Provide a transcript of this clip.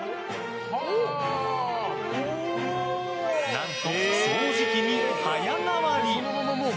何と、掃除機に早変わり！